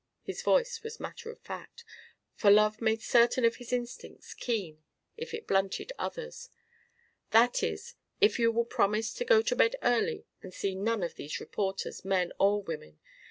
His voice was matter of fact, for love made certain of his instincts keen if it blunted others. "That is, if you will promise to go to bed early and see none of these reporters, men or women.